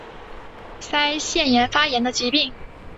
腮腺炎发炎的疾病。